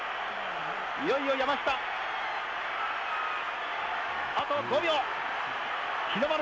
いよいよ山下、あと５秒。